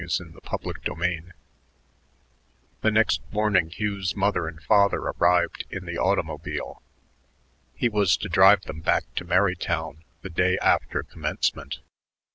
CHAPTER XXVII The next morning Hugh's mother and father arrived in the automobile. He was to drive them back to Merrytown the day after commencement.